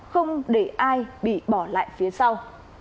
không để ai bị bỏ lại phía sau